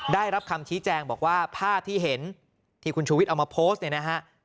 ได้รับคำชี้แจงบอกว่าภาพที่เห็นที่คุณชูวิทย์เอามาโพสต์เนี่ยนะฮะ